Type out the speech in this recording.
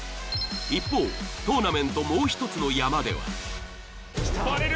一方トーナメントもう１つの山では。